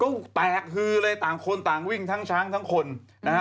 เขาแตกฮือเลยต่างคนต่างวิ่งทั้งช้างทั้งคนนะฮะ